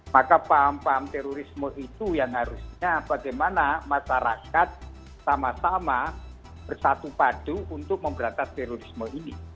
maka paham paham terorisme itu yang harusnya bagaimana masyarakat sama sama bersatu padu untuk memberantas terorisme ini